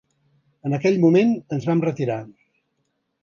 En aquell moment ens en vam retirar.